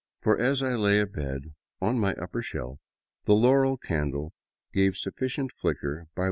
For, as I lay abed, — on my upper shelf — the " laurel " candle gave sufficient flicker by.